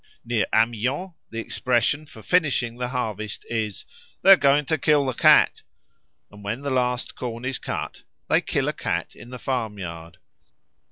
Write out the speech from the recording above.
Near Amiens the expression for finishing the harvest is, "They are going to kill the Cat"; and when the last corn is cut they kill a cat in the farmyard.